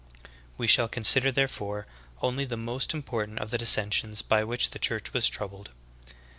We shall consider therefore only the most important of the dissensions by which the Church was troubled.